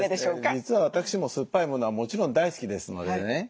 実は私も酸っぱいものはもちろん大好きですのでね